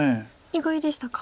意外でしたか。